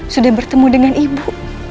sudah bertemu dengan ibu